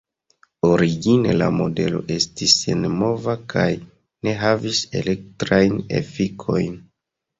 Origine la modelo estis senmova kaj ne havis elektrajn efikojn.